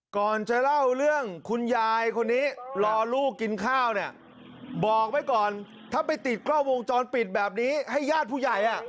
ก่อนจะเล่าเรื่องคุณยายคนนี้รอลูกกินข้าวเนี่ยบอกไว้ก่อนถ้าไปติดกล้องวงจรปิดแบบนี้ให้ญาติผู้ใหญ่